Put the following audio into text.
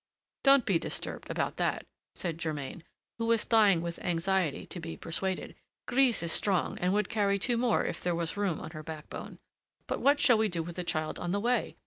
"Don't be disturbed about that," said Germain, who was dying with anxiety to be persuaded. "Grise is strong, and would carry two more if there was room on her backbone. But what shall we do with the child on the way?